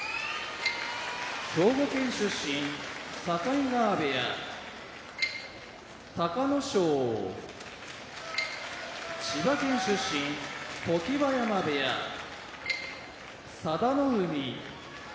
兵庫県出身境川部屋隆の勝千葉県出身常盤山部屋佐田の海